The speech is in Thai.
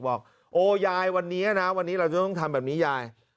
บอกโอ้ยายวันนี้นะวันนี้เราจะต้องทำแบบนี้ยาย